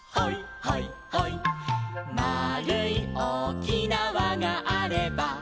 「まあるいおおきなわがあれば」